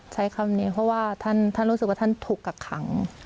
ใช้คำนี้เพราะว่าท่านรู้สึกว่าท่านถูกกักขัง